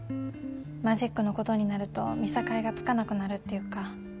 マジックのことになると見境がつかなくなるっていうか。